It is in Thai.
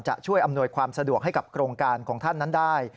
ช่วยอำนวยความสะดวกให้กับโครงการของท่านนั้นได้